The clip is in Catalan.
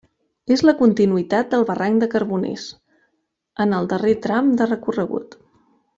És la continuïtat del barranc de Carboners, en el darrer tram de recorregut.